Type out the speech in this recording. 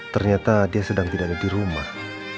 ternyata dia sedang tidangnya di rumah